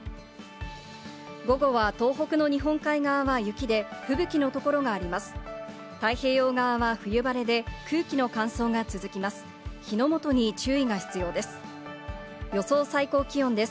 午後は東北の日本海側は雪で吹雪のところがあります。